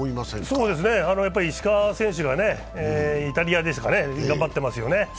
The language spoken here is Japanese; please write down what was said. そうですね、石川選手がイタリアで頑張ってますよね。